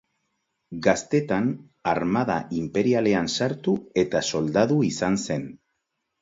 Gaztetan armada inperialean sartu eta soldadu izan zen.